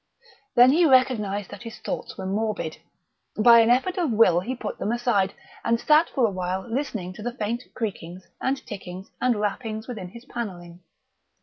Then he recognised that his thoughts were morbid. By an effort of will he put them aside, and sat for a while listening to the faint creakings and tickings and rappings within his panelling....